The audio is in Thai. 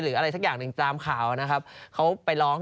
อะไรสักอย่างหนึ่งตามข่าวนะครับเขาไปร้อง